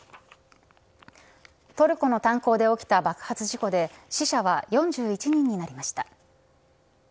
トルコの炭鉱で起きた爆発事故で死者は４１人になりました。